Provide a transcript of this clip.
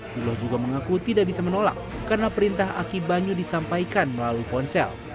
hillah juga mengaku tidak bisa menolak karena perintah aki banyu disampaikan melalui ponsel